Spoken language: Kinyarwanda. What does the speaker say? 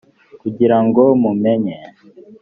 kugira ngo mumenye